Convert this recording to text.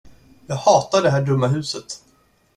Jag hatar det här dumma huset.